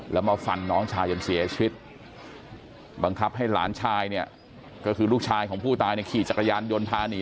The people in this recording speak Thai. แล้วมาฟันน้องชายจนเสียชีวิตบังคับให้หลานชายเนี่ยก็คือลูกชายของผู้ตายเนี่ยขี่จักรยานยนต์พาหนี